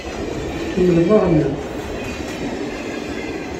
Kemmlem aɣenni!